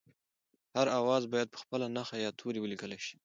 هر آواز باید په خپله نښه یا توري ولیکل شي